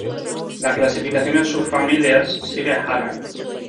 La clasificación en subfamilias sigue a Hallan